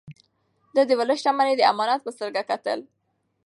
ده د ولس شتمني د امانت په سترګه کتل.